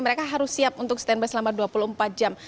mereka harus siap untuk stand by selama dua puluh empat jam